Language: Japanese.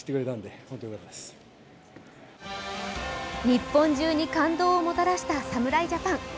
日本中に感動をもたらした侍ジャパン。